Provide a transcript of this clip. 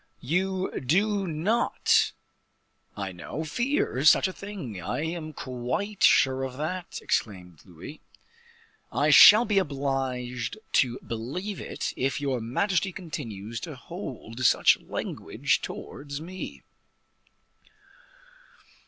"You do not, I know, fear such a thing; I am quite sure of that," exclaimed Louis. "I shall be obliged to believe it, if your majesty continues to hold such language towards me."